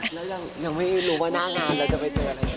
แล้วยังไม่รู้ว่าหน้างานเราจะไปเจออะไร